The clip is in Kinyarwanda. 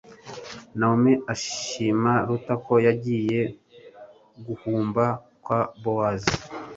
nawomi ashima ruta ko yagiye guhumba kwa bowozi